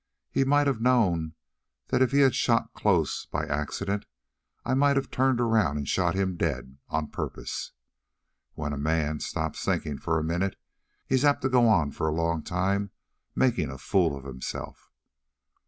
"He might have known that if he had shot close by accident I might have turned around and shot him dead on purpose. But when a man stops thinking for a minute, he's apt to go on for a long time making a fool of himself."